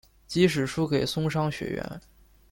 即使输给松商学园。